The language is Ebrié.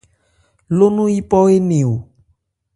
Ló nɔn yípɔ énɛn ò.